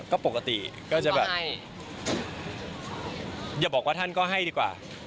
ก็ปกติก็จะแบบอย่าบอกว่าท่านก็ให้ดีกว่า